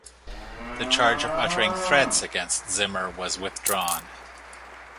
The charge of uttering threats against Zimmer was withdrawn.